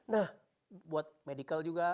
nah buat medical juga